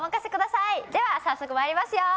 では早速まいりますよ。